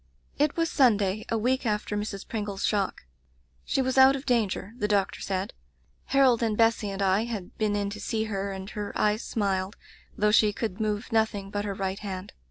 '*It was Sunday, a week after Mrs. Pringle's shock. She was out of danger, the doctor said. Harold and Bessy and I had been in to see her, and her eyes smiled, though she could move nothing but her right hand.